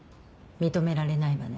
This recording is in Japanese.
認められないわね。